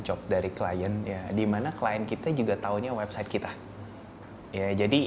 job dari klien ya dimana klien kita juga tahunya website kita ya jadi